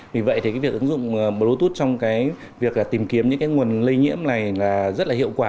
vì vậy thì việc ứng dụng bluetooth trong việc tìm kiếm những nguồn lây nhiễm này là rất hiệu quả